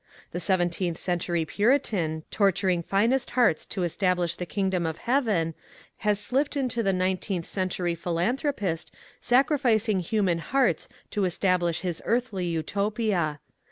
The seventeenth century Puritan, torturing finest hearts to establish the kingdom of Heaven, has slipped into the nineteenth century philanthro pist sacrificing human hearts to establish his earthly utopia.